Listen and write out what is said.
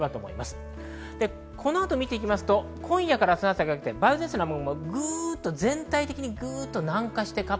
このあとを見ていきますと今夜から明日の朝にかけて梅雨前線の雨雲が全体的に南下します。